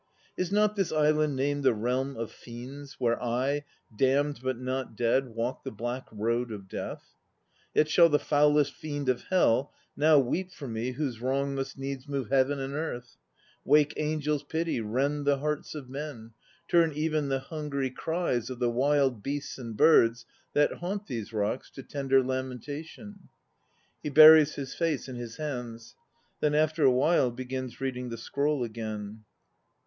Is not this island named The Realm of Fiends, where I, Damned but not dead walk the Black Road of Death? Yet shall the foulest fiend of Hell Now weep for me whose wrong Must needs move heaven and earth, Wake angels' pity, rend The hearts of men, turn even the hungry cries Of the wild beasts and birds that haunt these rocks To tender lamentation. (He buries his face in his hands; then after a while begins reading the scroll again.)